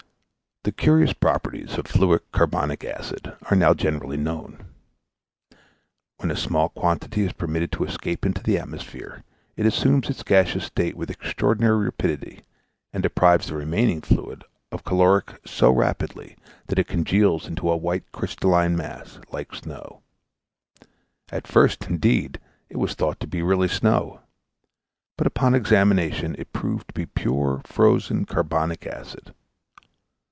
The curious properties of fluid carbonic acid are now generally known. When a small quantity is permitted to escape into the atmosphere, it assumes its gaseous state with extraordinary rapidity, and deprives the remaining fluid of caloric so rapidly that it congeals into a white crystalline mass like snow: at first, indeed, it was thought to be really snow, but upon examination it proved to be pure frozen carbonic acid.